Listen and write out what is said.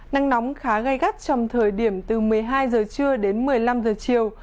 nắng nóng khá gai gắt trong thời điểm từ một mươi hai giờ trưa đến một mươi năm giờ chiều